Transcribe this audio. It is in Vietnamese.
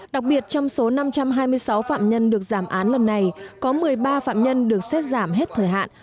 đặc biệt trong số năm trăm hai mươi sáu phạm nhân được giảm án lần này có một mươi ba phạm nhân được xét giảm hết thời hạn